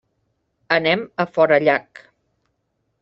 Anem a Forallac.